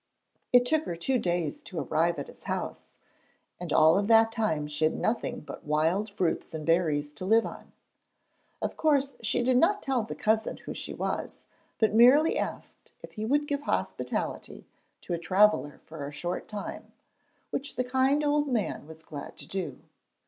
It took her two days to arrive at his house, and all that time she had nothing but wild fruits and berries to live on. Of course she did not tell the cousin who she was, but merely asked if he would give hospitality to a traveller for a short time, which the kind old man was glad to do.